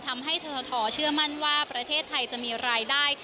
ทำให้ททเชื่อมั่นว่าประเทศไทยจะมีรายได้